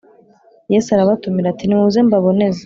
Yesarabatumir’ ati: Nimuze mbaboneze